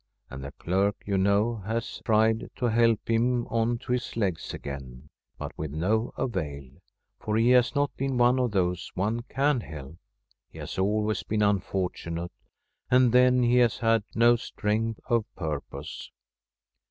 And the clerk, you know, has tried to help him on to his legs again, but with no avail, for he has not been one of those one can help. He has always been unfortunate; and then, he has had no strength of purpose.